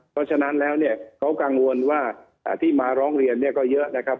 เพราะฉะนั้นแล้วเนี่ยเขากังวลว่าที่มาร้องเรียนเนี่ยก็เยอะนะครับ